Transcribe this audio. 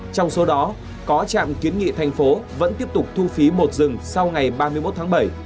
trong số đó có trạm kiến nghị thành phố vẫn tiếp tục thu phí một dừng sau ngày ba mươi một tháng bảy